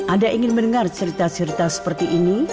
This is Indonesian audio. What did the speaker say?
anda ingin mendengar cerita cerita seperti ini